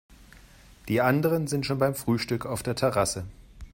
Die anderen sind schon beim Frühstück auf der Terrasse.